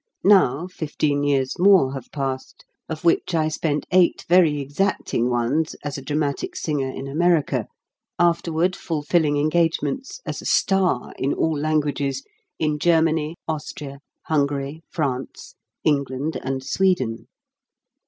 Now fifteen years more have passed, of which I spent eight very exacting ones as a dramatic singer in America, afterward fulfilling engagements as a star, in all languages, in Germany, Austria, Hungary, France, England, and Sweden.